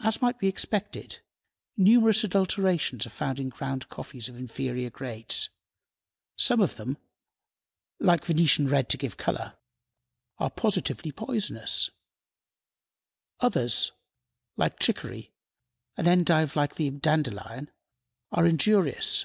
As might be expected, numerous adulterations are found in ground coffees of inferior grades. Some of them, like venetian red to give color, are positively poisonous. Others, like chicory, an endive like the dandelion, are injurious.